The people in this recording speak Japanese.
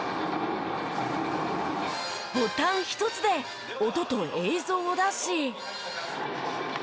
ボタン一つで音と映像を出し。